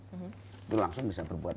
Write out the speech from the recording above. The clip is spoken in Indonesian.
itu langsung bisa berbuat